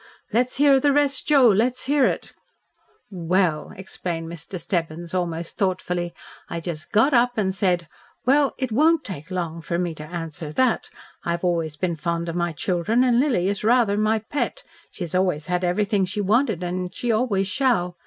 "Let's hear the rest, Joe! Let's hear it!" "Well," replied Mr. Stebbins almost thoughtfully, "I just got up and said, 'Well, it won't take long for me to answer that. I've always been fond of my children, and Lily is rather my pet. She's always had everything she wanted, and she always shall.